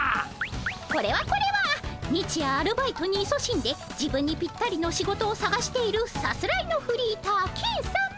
これはこれは日夜アルバイトにいそしんで自分にピッタリの仕事をさがしているさすらいのフリーターケンさま！